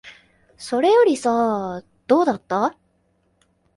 それよりさ、どうだった？